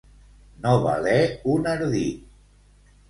No valer un ardit.